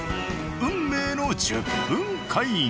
運命の１０分会議。